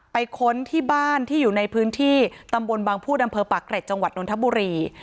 ค้นที่บ้านที่อยู่ในพื้นที่ตำบลบางพูดอำเภอปากเกร็จจังหวัดนทบุรี